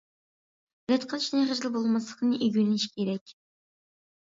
رەت قىلىشنى، خىجىل بولماسلىقىنى ئۆگىنىۋېلىش كېرەك.